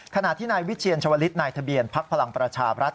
ขณะที่นายวิเชียรชวลิศนายทะเบียนพักพลังประชาบรัฐ